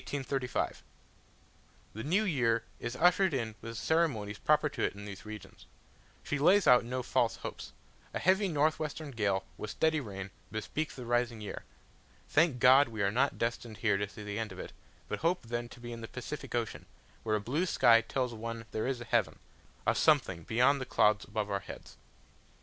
The new year is ushered in with the ceremonies proper to it in these regions. She lays out no false hopes: a heavy north western gale, with steady rain, bespeaks the rising year. Thank God, we are not destined here to see the end of it, but hope then to be in the Pacific Ocean, where a blue sky tells one there is a heaven, a something beyond the clouds above our heads.